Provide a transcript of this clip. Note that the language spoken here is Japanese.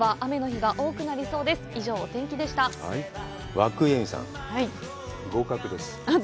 和久井映見さん、合格です。